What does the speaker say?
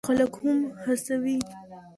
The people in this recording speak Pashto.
او نور خلک هم هڅوي.